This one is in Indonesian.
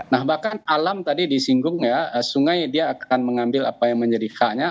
nah bahkan alam tadi disinggung ya sungai dia akan mengambil apa yang menjadi haknya